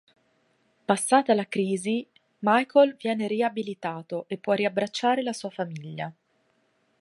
Passata la crisi, Michael viene riabilitato e può riabbracciare la sua famiglia.